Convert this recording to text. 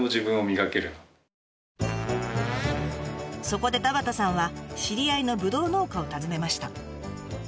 そこで田端さんは知り合いのぶどう農家を訪ねました。